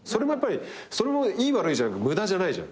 それもいい悪いじゃなく無駄じゃないじゃん。